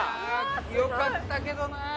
良かったけどな。